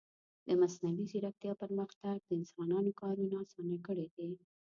د مصنوعي ځیرکتیا پرمختګ د انسانانو کارونه آسانه کړي دي.